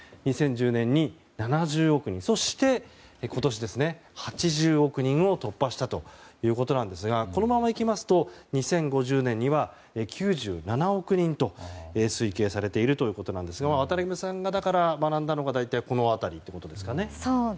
２０１０年に７０億人そして今年、８０億人を突破したということですがこのままいくと２０５０年には９７億人と推計されているということですが渡辺さんが学んだのが大体この辺りってことですかね。